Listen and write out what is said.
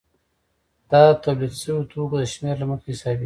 دا د تولید شویو توکو د شمېر له مخې حسابېږي